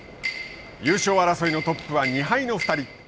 優勝争いのトップは２敗の２人。